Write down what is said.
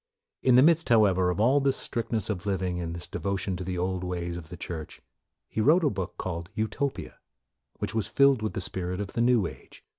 In the midst, however, of all this strict ness of living and this devotion to the old ways of the Church, he wrote a book called " Utopia," which was filled with the spirit of the new age.